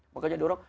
makanya ada orang